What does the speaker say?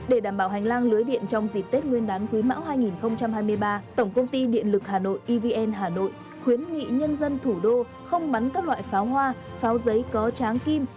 để đảm bảo hành lang lưới điện trong dịp tết nguyên đán quý mão hai nghìn hai mươi ba tổng công ty điện lực hà nội evn hà nội khuyến nghị nhân dân thủ đô không bắn các loại pháo hoa pháo giấy có tráng kim